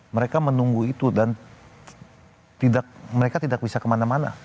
mereka menunggu itu dan mereka tidak bisa kemana mana